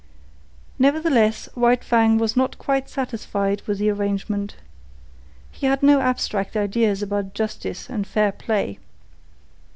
Nevertheless, White Fang was not quite satisfied with the arrangement. He had no abstract ideas about justice and fair play.